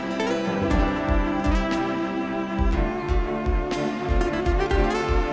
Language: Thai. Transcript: ทุกคนพร้อมแล้วขอเสียงปลุ่มมือต้อนรับ๑๒สาวงามในชุดราตรีได้เลยค่ะ